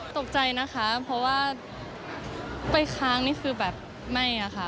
ตกใจนะคะเพราะว่าไปค้างนี่คือแบบไม่อะค่ะ